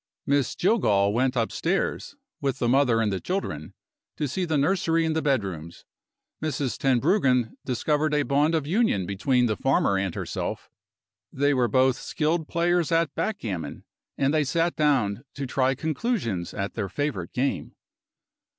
Miss Jillgall went upstairs, with the mother and the children, to see the nursery and the bedrooms. Mrs. Tenbruggen discovered a bond of union between the farmer and herself; they were both skilled players at backgammon, and they sat down to try conclusions at their favorite game.